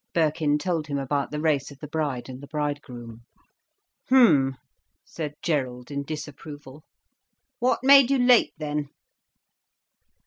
Birkin told him about the race of the bride and the bridegroom. "H'm!" said Gerald, in disapproval. "What made you late then?"